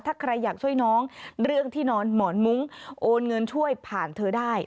ถ้าใครอยากช่วยน้องเรื่องที่นอนหมอนมุ้งโอนเงินช่วยผ่านเธอได้